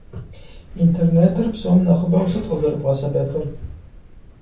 Интернетыр псом нэхъыбэу сыт къызэрыбгъэсэбэпыр?